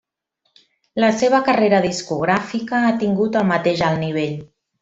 La seva carrera discogràfica ha tingut el mateix alt nivell.